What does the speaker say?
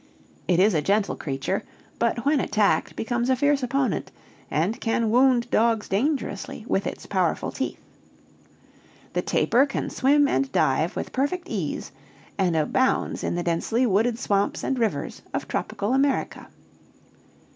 It is a gentle creature, but when attacked becomes a fierce opponent, and can wound dogs dangerously with its powerful teeth. The tapir can swim and dive with perfect ease, and abounds in the densely wooded swamps and rivers of tropical America.